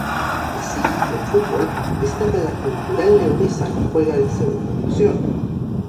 Así, en fútbol, destaca la Cultural Leonesa que juega en Segunda División.